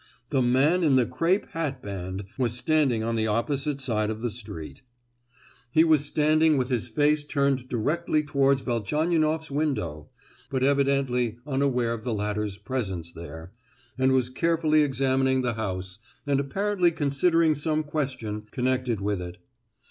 The man in the crape hatband was standing on the opposite side of the street. He was standing with his face turned directly towards Velchaninoff's window, but evidently unaware of the latter's presence there, and was carefully examining the house, and apparently considering some question connected with it.